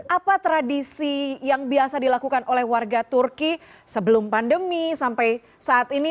apa tradisi yang biasa dilakukan oleh warga turki sebelum pandemi sampai saat ini